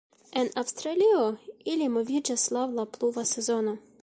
En Aŭstralio ili moviĝas laŭ la pluva sezono.